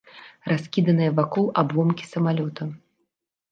Раскіданыя вакол абломкі самалёта.